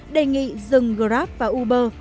đề nghị dừng grab và uber